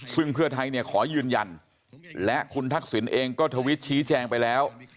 ซึ่งเพื่อไทยเนี่ยขอยืนยันและคุณทักษิณเองก็ทวิตชี้แจงไปแล้ว